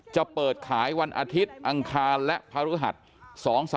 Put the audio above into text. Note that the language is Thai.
จะเปิดขายวันอาทิตย์อังคารและพระฤหัส๒๓